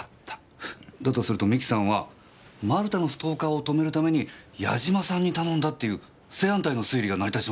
だとすると美紀さんは丸田のストーカーを止めるために八嶋さんに頼んだっていう正反対の推理が成り立ちますよ。